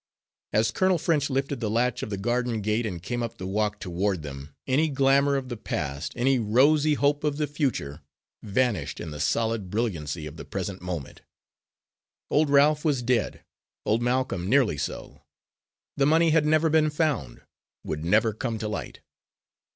As Colonel French lifted the latch of the garden gate and came up the walk toward them, any glamour of the past, any rosy hope of the future, vanished in the solid brilliancy of the present moment. Old Ralph was dead, old Malcolm nearly so; the money had never been found, would never come to light.